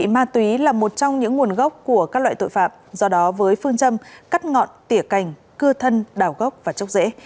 ma túy là một trong những nguồn gốc của các loại tội phạm do đó với phương châm cắt ngọn tỉa cành cưa thân đảo gốc và chốc rễ